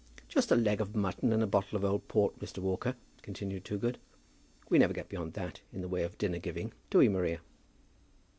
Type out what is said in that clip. "Just a leg of mutton and a bottle of old port, Mr. Walker," continued Toogood. "We never get beyond that in the way of dinner giving; do we, Maria?"